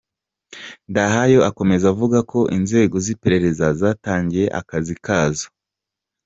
Ndahayo akomeza avuga ko inzego z’ iperereza zatangiye akazi kazo.